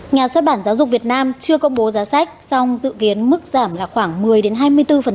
nhà xuất bản giáo dục việt nam chưa công bố giá sách song dự kiến mức giảm là khoảng một mươi hai mươi bốn